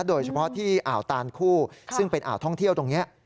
โดยเฉพาะที่อ่าวตานคู่ซึ่งเป็นอ่าวท่องเที่ยวตรงนี้